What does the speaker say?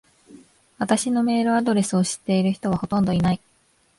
私のメールアドレスを知ってる人はほとんどいない。